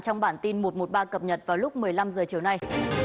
trong bản tin một trăm một mươi ba cập nhật vào lúc một mươi năm h chiều nay